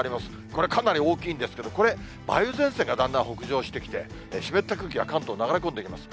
これ、かなり大きいんですけど、これ、梅雨前線がだんだん北上してきて、湿った空気が関東、流れ込んでいます。